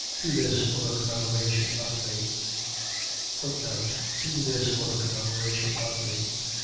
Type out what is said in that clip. Do this for a commemoration of me. Do this for a commemoration of me.